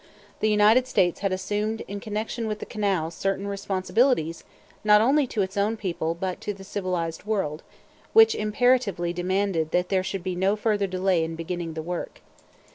The United States had assumed in connection with the canal certain responsibilities not only to its own people but to the civilized world, which imperatively demanded that there should be no further delay in beginning the work.